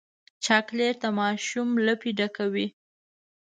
چاکلېټ د ماشوم لپې ډکوي.